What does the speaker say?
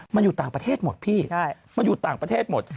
มันอยู่ต่างประเทศหมดพี่มันอยู่ต่างประเทศหมด